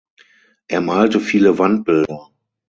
Er malte viele Wandbilder.